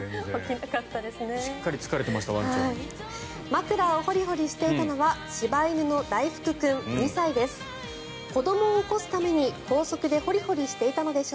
枕をホリホリしていたのは柴犬の大福君、２歳です。